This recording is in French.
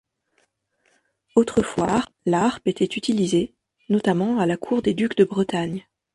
Autrefois, la harpe était utilisée, notamment à la cour des ducs de Bretagne.